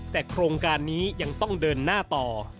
แต่โครงการนี้ยังต้องเดินหน้าต่อ